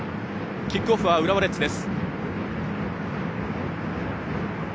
キックオフは浦和レッズです。